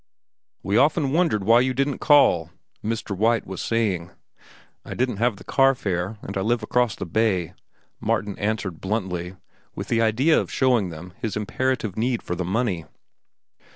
"We often wondered why you didn't call," Mr. White was saying. "I didn't have the carfare, and I live across the Bay," Martin answered bluntly, with the idea of showing them his imperative need for the money.